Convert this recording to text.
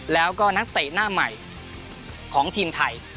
แล้วก็นักเตะหน้าใหม่ของทีมไทย